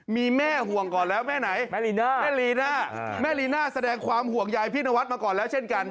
มีแม่ห่วงก่อนแล้วแม่ไหนแม่ลีน่าแม่ลีน่าแม่ลีน่าแสดงความห่วงใยพี่นวัดมาก่อนแล้วเช่นกัน